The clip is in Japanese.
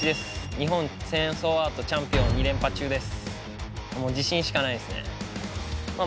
日本チェーンソーアートチャンピオン２連覇中です。